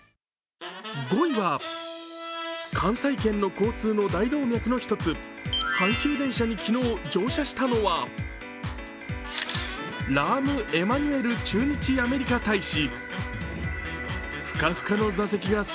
５位は、関西圏の交通の大動脈の１つ、阪急電車に昨日、乗車したのは、ラーム・エマニュエル駐日アメリカ大使。